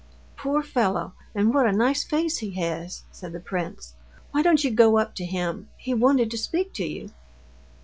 "Poor fellow! and what a nice face he has!" said the prince. "Why don't you go up to him? He wanted to speak to you."